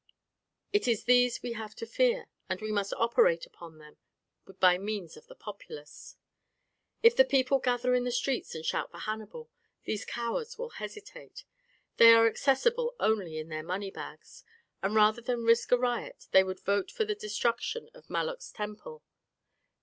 It is these we have to fear, and we must operate upon them by means of the populace. "If the people gather in the streets and shout for Hannibal, these cowards will hesitate. They are accessible only in their moneybags, and rather than risk a riot they would vote for the destruction of Moloch's temple.